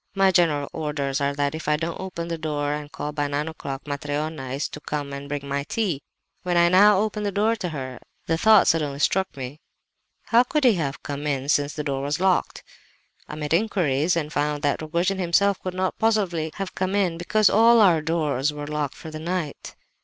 My general orders are that if I don't open the door and call, by nine o'clock, Matreona is to come and bring my tea. When I now opened the door to her, the thought suddenly struck me—how could he have come in, since the door was locked? I made inquiries and found that Rogojin himself could not possibly have come in, because all our doors were locked for the night.